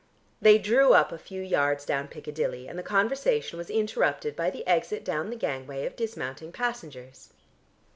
They drew up a few yards down Piccadilly, and the conversation was interrupted by the exit down the gangway of dismounting passengers.